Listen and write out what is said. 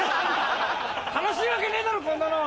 楽しいわけねえだろこんなの！